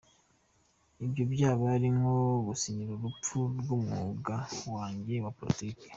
Ibyo byaba ari nko gusinyira urupfu rw’umwuga wanjye wa politiki.”